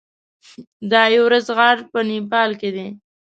د ایورسټ غر په نیپال کې دی.